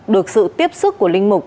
được sự tiếp xúc của linh mục